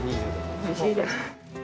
おいしいです。